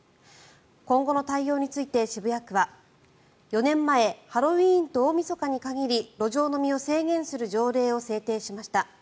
今後の対応について、渋谷区は４年前ハロウィーンと大みそかに限り路上飲みを制限する条例を制定しました。